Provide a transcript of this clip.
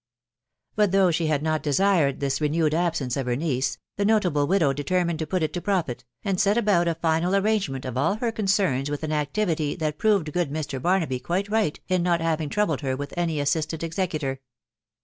But though she had not desired this renewed absence of her niece, the notable widow determined to put it to profit, and set about a final arrangement of all her concerns with an activity that proved good Mr. Barnaby quite right in not having trou bled her with any assistant executor.